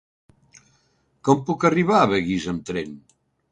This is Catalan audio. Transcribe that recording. Com puc arribar a Begís amb tren?